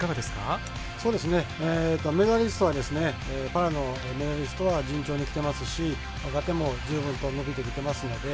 パラのメダリストは順調にきてますし若手も十分と伸びてきてますので。